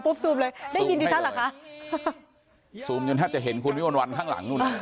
ปุ๊บซูมเลยได้ยินดิสัตว์เหรอคะซูมจนถ้าจะเห็นคุณวิวันวันข้างหลังนู้น